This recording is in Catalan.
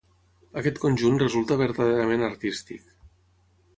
Aquest conjunt resulta vertaderament artístic.